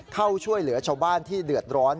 เข้าช่วยเหลือชาวบ้านที่เดือดร้อน